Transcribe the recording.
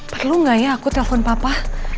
perlu nggak ya aku telpon papa